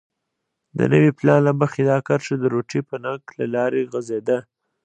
د نوي پلان له مخې دا کرښه د روټي فنک له لارې غځېده.